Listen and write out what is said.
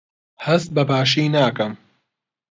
هەست بەباشی ناکەم.